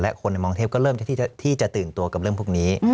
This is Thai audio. และคนในมองเทพก็เริ่มที่จะตื่นตัวกับเรื่องพวกนี้